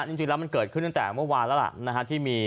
จริงแล้วมันเกิดขึ้นตั้งแต่เมื่อวานแล้วล่ะนะฮะที่มี